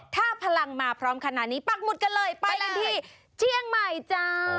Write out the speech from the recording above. ถ้าพลังมาพร้อมขนาดนี้ปักหมุดกันเลยไปกันที่เจียงใหม่จ้า